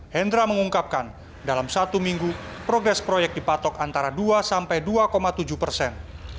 hendra mengungkapkan dalam satu minggu progres proyek dipatok antara dua sampai dua tujuh persen